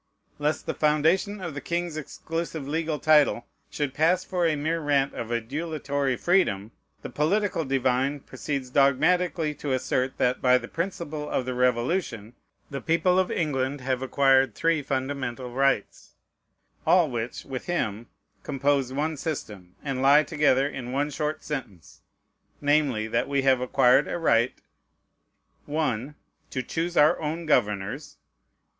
Lest the foundation of the king's exclusive legal title should pass for a mere rant of adulatory freedom, the political divine proceeds dogmatically to assert, that, by the principles of the Revolution, the people of England have acquired three fundamental rights, all of which, with him, compose one system, and lie together in one short sentence: namely, that we have acquired a right 1. "To choose our own governors."